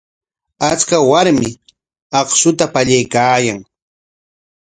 Achka warmi akshuta pallaykaayan.